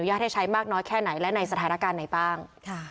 ให้ใช้มากน้อยแค่ไหนและในสถานการณ์ไหนบ้าง